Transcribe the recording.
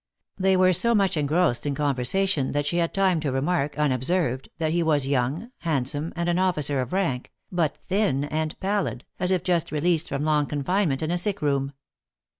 They were so much engrossed in conversation, that she had time to remark, unob served, that he was young, handsome, and an officer of rank, but thin and pallid, as if just released from long confinement in a sick room.